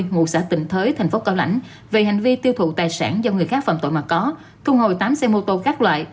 ngụ xã tịnh thới thành phố cao lãnh về hành vi tiêu thụ tài sản do người khác phạm tội mà có thu hồi tám xe mô tô các loại